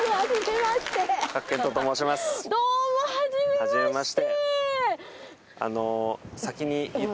はじめまして。